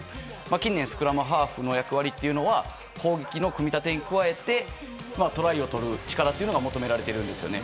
近年、スクラムハーフの役割は攻撃の組み立てに加えてトライをとる力が求められているんですよね。